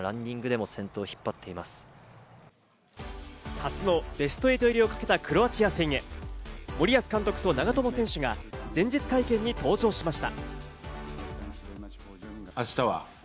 初のベスト８入りを懸けたクロアチア戦へ、森保監督と長友選手が前日会見に登場しました。